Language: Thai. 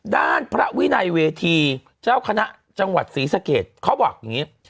ด้านพระวินัยเวทีเจ้าคณะจังหวัดศรีสะเกดเขาบอกอย่างนี้